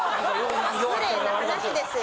失礼な話ですよ